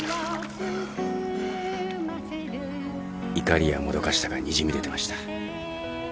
怒りやもどかしさがにじみ出てました